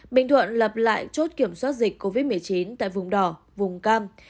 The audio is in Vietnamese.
bình thuận lập lại chốt kiểm soát dịch covid một mươi chín tại vùng đỏ vùng cam